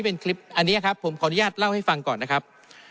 เป็นคลิปอันนี้ครับผมขออนุญาตเล่าให้ฟังก่อนนะครับ